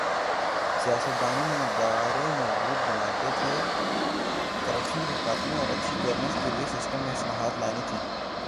سیاستدانوں نے ادارے مضبوط بنانے تھے، کرپشن کے خاتمہ اور اچھی گورننس کے لئے سسٹم میں اصلاحات لانی تھی۔